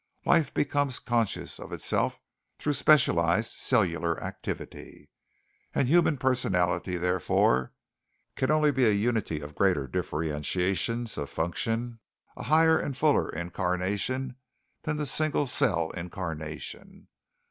Life becomes conscious of itself through specialized cellular activity, and human personality, therefore, can only be a unity of greater differentiations of function, a higher and fuller incarnation than the single cell incarnation.